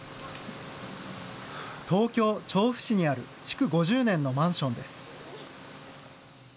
東京・調布市にある築５０年のマンションです。